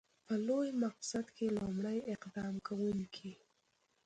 په لوی مقصد کې لومړی اقدام کوونکی.